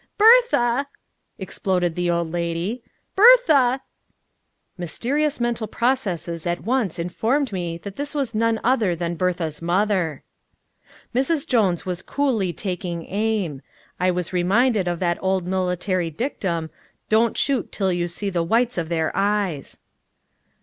"Bertha!" exploded the old lady. "Bertha " (Mysterious mental processes at once informed me that this was none other than Bertha's mother.) Mrs. Jones was coolly taking aim. I was reminded of that old military dictum: "Don't shoot till you see the whites of their eyes!"